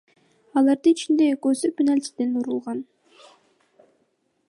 Алардын ичинде экөөсү — пенальтиден урулган.